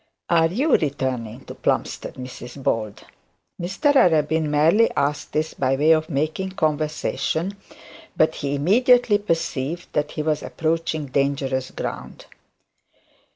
'Are you returning to Plumstead, Mrs Bold?' Mr Arabin merely asked this by way of making conversation, but he immediately perceived that he was approaching dangerous ground.